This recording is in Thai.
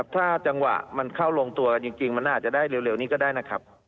ถ้าจังหวะมันเข้าลงตัวกันจริงมันอาจจะได้เร็วนี้ก็ได้นะครับ